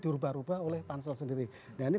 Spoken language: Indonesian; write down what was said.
dirubah rubah oleh pansel sendiri nah ini